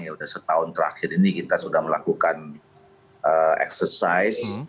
ya sudah setahun terakhir ini kita sudah melakukan eksesori